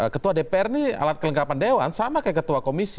ketua dpr ini alat kelengkapan dewan sama kayak ketua komisi